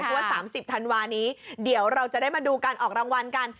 เพราะว่า๓๐ธันวานี้เดี๋ยวเราจะได้มาดูการออกรางวัลกัน